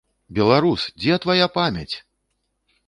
Беларус, дзе твая памяць?!